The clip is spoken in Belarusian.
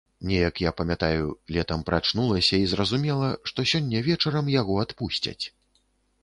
Неяк, я памятаю, летам прачнулася і зразумела, што сёння вечарам яго адпусцяць.